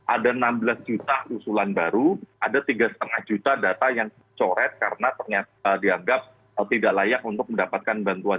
ada enam belas juta usulan baru ada tiga lima juta data yang dicoret karena ternyata dianggap tidak layak untuk mendapatkan bantuan